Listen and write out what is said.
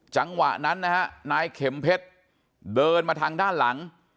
จังหวะนั้นนะฮะนายเข็มเพชรเดินมาทางด้านหลัง